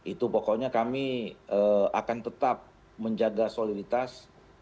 itu pokoknya kami akan tetap menjaga soliditas